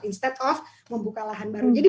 instead of membuka lahan baru jadi